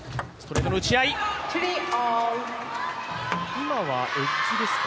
今はエッジですか？